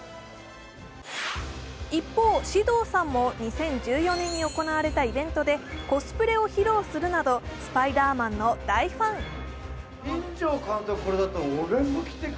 一方、獅童さんも２０１４年に行われたイベントでコスプレを披露するなど「スパイダーマン」の大ファン。